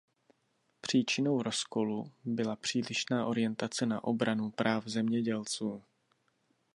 Příčinou rozkolu byla přílišná orientace na obranu práv zemědělců.